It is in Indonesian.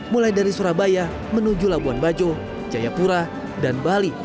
mulai dari surabaya menuju labuan bajo jayapura dan bali